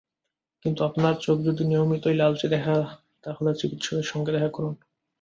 কিন্তু আপনার চোখ যদি নিয়মিতই লালচে দেখায় তাহলে চিকিৎসকের সঙ্গে দেখা করুন।